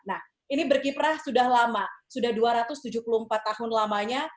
nah ini berkiprah sudah lama sudah dua ratus tujuh puluh empat tahun lamanya